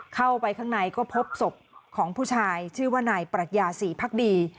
เข้าไปข้างในก็พบศพของผู้ชายชื่อว่านายปรัชญาศรีพักดี